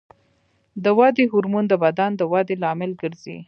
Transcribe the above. د ودې هورمون د بدن د ودې لامل ګرځي.